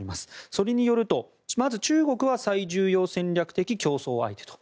それによると、まず中国は最重要戦略的競争相手と。